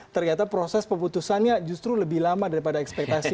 ternyata proses pemutusannya justru lebih lama daripada ekspektasi